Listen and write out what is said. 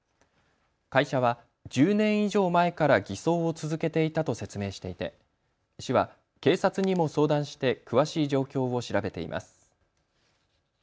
会社は１０年以上前から偽装を続けていたと説明していて市は警察にも相談して詳しい状況を調べています。